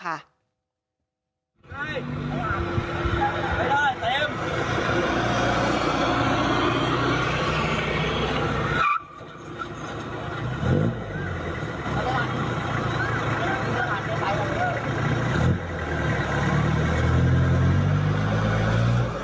และเครื่องเริ่มอลิษฐ์กว่า